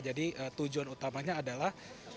jadi tujuan utamanya adalah